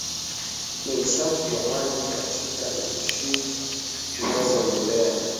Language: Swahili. Ni usafi wa maji katika nchi zinazoendelea